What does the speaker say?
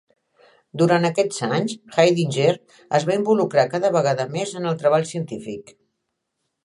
Durant aquests anys, Haidinger es va involucrar cada vegada més en el treball científic.